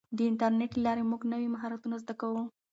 د انټرنیټ له لارې موږ نوي مهارتونه زده کوو.